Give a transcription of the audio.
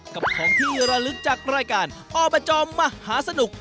กับของที่ระลึกจากรายการอบจมหาสนุก